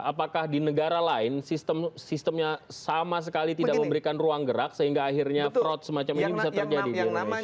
apakah di negara lain sistemnya sama sekali tidak memberikan ruang gerak sehingga akhirnya fraud semacam ini bisa terjadi di indonesia